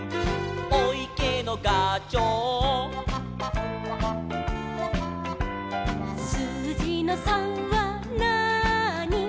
「おいけのがちょう」「すうじの３はなーに」